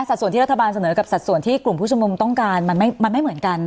ส่วนที่รัฐบาลเสนอกับสัดส่วนที่กลุ่มผู้ชมนุมต้องการมันไม่เหมือนกัน